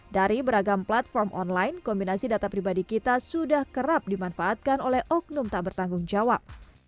dari beragam platform online kombinasi data pribadi kita sudah kerap dimanfaatkan oleh oknum tak bertanggung jawab